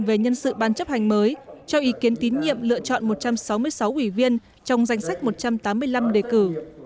về nhân sự ban chấp hành mới cho ý kiến tín nhiệm lựa chọn một trăm sáu mươi sáu ủy viên trong danh sách một trăm tám mươi năm đề cử